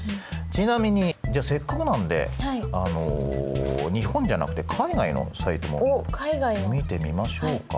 ちなみにじゃあせっかくなんで日本じゃなくて海外のサイトも見てみましょうか。